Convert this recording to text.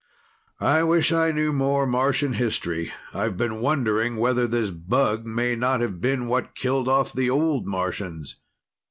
"I wish I knew more Martian history. I've been wondering whether this bug may not have been what killed off the old Martians.